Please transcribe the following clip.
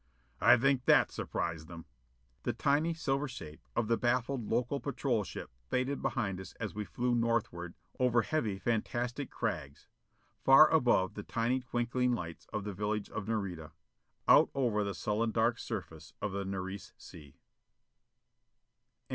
"I think that surprised them!" The tiny silver shape of the baffled local patrol ship faded behind us as we flew northward over heavy, fantastic crags; far above the tiny twinkling lights of the village of Nareda out over the sullen dark surface of the Nares Sea.